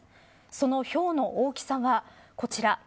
その、ひょうの大きさはこちら。